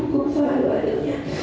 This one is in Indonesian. hukum salah dan adilnya